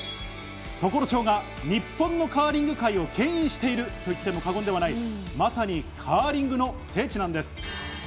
常呂町が日本のカーリング界を牽引していると言っても過言ではない、まさにカーリングの聖地なんです。